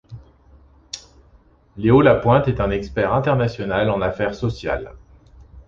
Léo Lapointe est un expert international en affaires sociales.